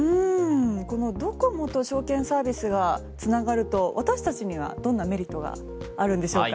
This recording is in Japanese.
このドコモと証券サービスがつながると私達にはどんなメリットがあるんでしょうか？